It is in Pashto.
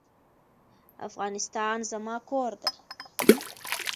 افغانستان زما کور دی